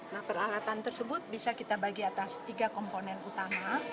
nah peralatan tersebut bisa kita bagi atas tiga komponen utama